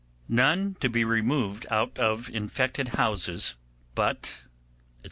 None to be removed out of infected Houses, but, &C.